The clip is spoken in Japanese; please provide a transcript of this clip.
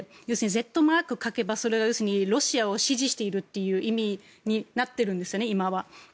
要するにＺマークを書けばロシアを支持するという意味になっているんですね、今は。